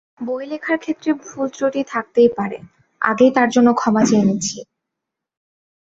বই লেখার ক্ষেত্রে ভুল ত্রুটি থাকতেই পারে, আগেই তার জন্য ক্ষমা চেয়ে নিচ্ছি।